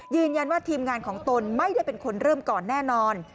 ยืนยันว่าทีมงานของตนไม่ได้เป็นคนเริ่มก่อนแน่นอน